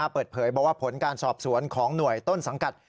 เปิดเผยบอกว่าผลการสอบสวนของหน่วยต้นสังกัด